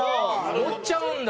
盛っちゃうんだ！